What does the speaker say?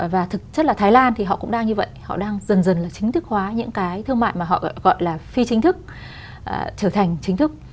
và thực chất là thái lan thì họ cũng đang như vậy họ đang dần dần là chính thức hóa những cái thương mại mà họ gọi là phi chính thức trở thành chính thức